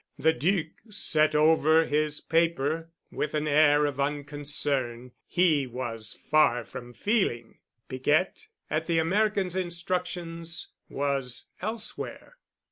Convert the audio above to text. The Duc sat over his paper with an air of unconcern he was far from feeling. Piquette, at the American's instructions, was elsewhere.